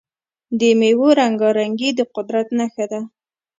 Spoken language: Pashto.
د میوو رنګارنګي د قدرت نښه ده.